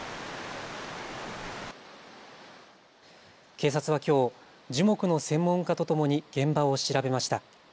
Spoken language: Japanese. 警察はきょう、樹木の専門家とともに現場を調べました。